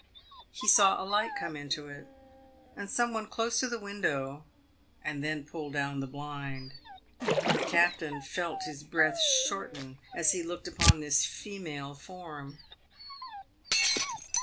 He saw a light come into it, and some one close the window, and then pull down the blind. The cap tain felt his breath shorten as he looked upon this female form.